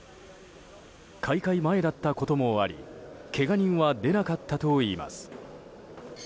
開会前だったこともありけが人は出なかったといいます。